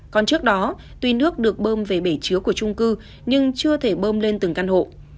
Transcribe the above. còn trước đó tuy nước được bơm về bể chứa của trung cư nhưng chưa thể bơm lên từng căn hộ